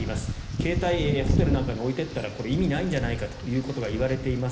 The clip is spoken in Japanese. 携帯をホテルなんかに置いていったらこれは意味がないんじゃないかということが言われています。